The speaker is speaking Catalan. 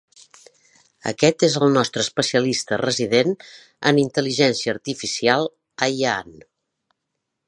Aquest és el nostre especialista resident en intel·ligència artificial, Ayaan.